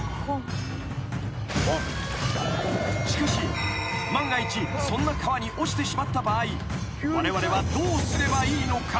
［しかし万が一そんな川に落ちてしまった場合われわれはどうすればいいのか？］